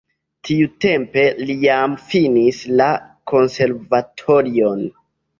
Tiutempe li jam finis la konservatorion.